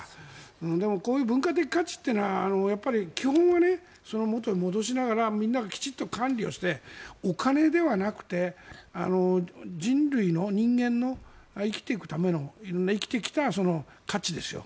でもこういう文化的価値というのは基本は元に戻しながらみんながきちんと管理をしてお金ではなくて人類の、人間の生きていくための生きてきた価値ですよ。